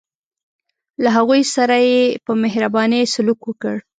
له هغوی سره یې په مهربانۍ سلوک وکړ.